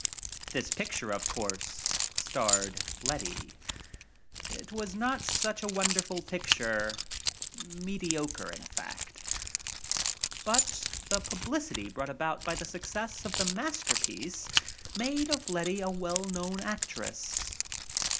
This pic ture, of course, starred Letty. It was not such a —mediocre, in fact. But the pub licity brought about by the success of the master piece made of Letty a well known actress.